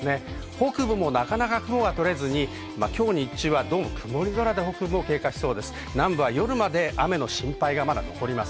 北部もなかなか雲が取れずに、今日日中は、曇り空で低下しそうです。